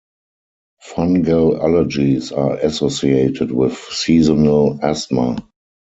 Fungal allergies are associated with seasonal asthma.